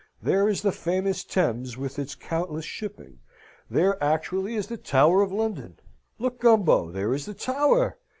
There is the famous Thames, with its countless shipping; there actually is the Tower of London. "Look, Gumbo! There is the Tower!"